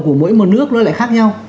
của mỗi một nước nó lại khác nhau